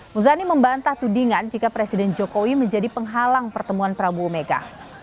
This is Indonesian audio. muzani membantah tudingan jika presiden jokowi menjadi penghalang pertemuan prabowo mega